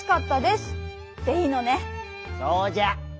そうじゃ。